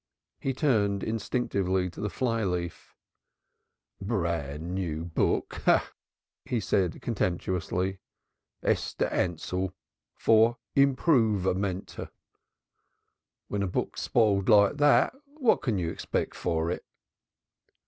He turned instinctively to the fly leaf. "Bran new book!" he said contemptuously. "'Esther Ansell For improvement!' When a book's spiled like that, what can you expect for it?"